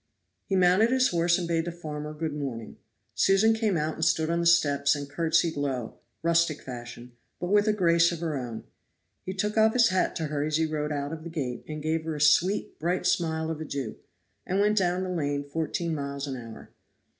He mounted his horse and bade the farmer good morning. Susan came out and stood on the steps and curtsied low rustic fashion but with a grace of her own. He took off his hat to her as he rode out of the gate, gave her a sweet, bright smile of adieu, and went down the lane fourteen miles an hour.